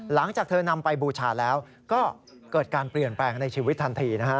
หลังจากเธอนำไปบูชาแล้วก็เกิดการเปลี่ยนแปลงในชีวิตทันทีนะฮะ